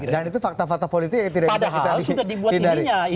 dan itu fakta fakta politik yang tidak bisa kita hindari